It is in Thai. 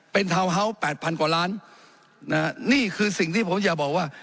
เป็นทาวน์เฮาส์แปดพันกว่าล้านนะฮะนี่คือสิ่งที่ผมอยากบอกว่า